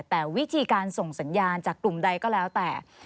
แต่วิธีการส่งสัญญาณจากกลุ่มใดก็แล้วแต่